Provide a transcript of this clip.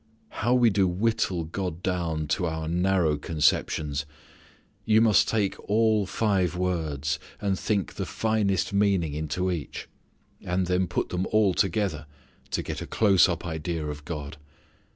How we do whittle God down to our narrow conceptions! You must take all five words, and think the finest meaning into each, and then put them all together, to get a close up idea of God.